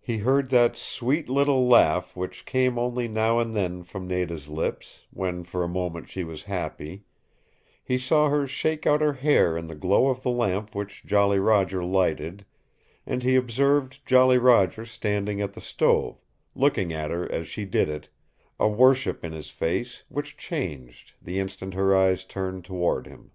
He heard that sweet little laugh which came only now and then from Nada's lips, when for a moment she was happy; he saw her shake out her hair in the glow of the lamp which Jolly Roger lighted, and he observed Jolly Roger standing at the stove looking at her as she did it a worship in his face which changed the instant her eyes turned toward him.